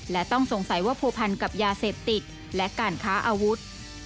และต้องสงสัยว่าผัวพันกับยาเสพติดและการค้าอาวุธ